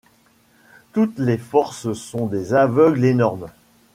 Toutes les forces sont des aveugles énormes ;